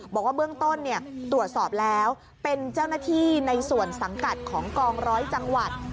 บอกว่าเบื้องต้นตรวจสอบแล้วเป็นเจ้าหน้าที่ในส่วนสังกัดของกองร้อยจังหวัด